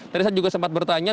tadi saya juga sempat bertanya